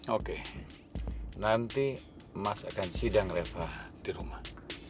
oke nanti mas akan sidang reva di rumah